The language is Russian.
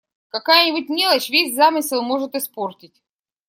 Какая-нибудь мелочь, весь замысел может испортить!